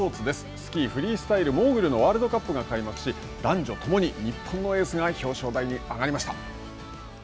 スキーフリースタイルの、ワールドカップが開幕し男女共に日本のエースが表彰台に上がりました。